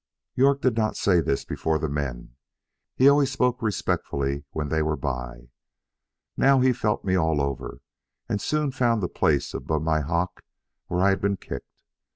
York did not say this before the men; he always spoke respectfully when they were by. Now he felt me all over, and soon found the place above my hock where I had been kicked.